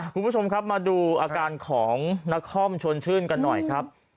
คุณผู้ชมครับมาดูอาการของนครชวนชื่นกันหน่อยครับ